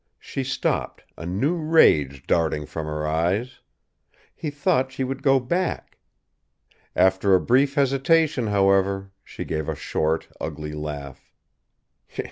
She stopped, a new rage darting from her eyes. He thought she would go back. After a brief hesitation, however, she gave a short, ugly laugh.